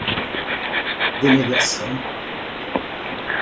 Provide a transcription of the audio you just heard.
denegação